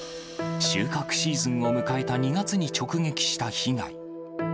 収穫シーズンを迎えた２月に直撃した被害。